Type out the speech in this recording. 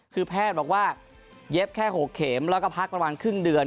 คือแพทย์บอกว่าเย็บแค่๖เข็มแล้วก็พักประมาณครึ่งเดือน